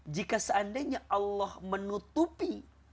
jika seandainya allah menutupi